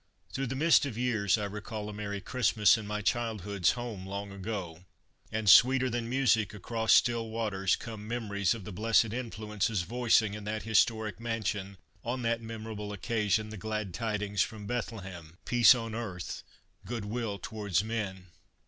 fs«^ THROUGH the mist of years I recall a Merry Christmas in my childhood's home long ago, and sweeter than music across still waters come memories of the blessed influences voicing in that historic mansion on that memorable occasion the glad tidings from Bethlehem: "Peace on earth, good will towards men."